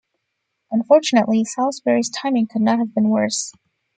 Unfortunately, Salisbury's timing could not have been worse.